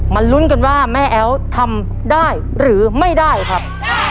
ลุ้นกันว่าแม่แอ๋วทำได้หรือไม่ได้ครับ